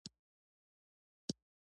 پنځمه شمېره ګټونکی شو، خو ګټه یې ډېره نه وه.